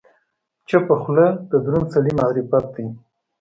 چپه خوله، د دروند سړي معرفت دی.